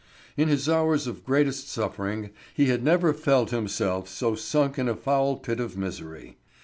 In his hours of greatest suffering he had never felt himself so sunk in a foul pit of misery.